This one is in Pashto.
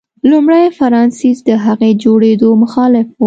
لومړي فرانسیس د هغې د جوړېدو مخالف و.